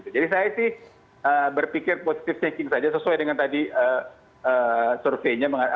jadi saya sih berpikir positive thinking saja sesuai dengan tadi surveinya